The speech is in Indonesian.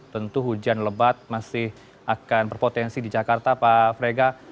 tentu hujan lebat masih akan berpotensi di jakarta pak frega